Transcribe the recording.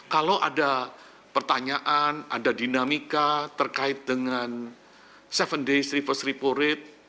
kalau ada pertanyaan ada dinamika terkait dengan tujuh days reverse repo rate